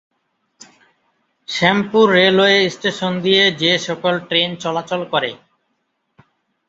Shyampur railway station দিয়ে যেসকল train চলাচল করে।